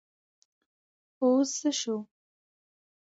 اوس څه شو ؟